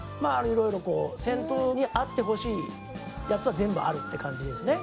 いろいろこう銭湯にあってほしいやつは全部あるって感じですね。